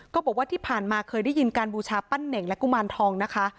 ก็บอกว่าที่ผ่านมาเคยได้ยินการบูชาปั้นเน่งและกุมารทองนะคะ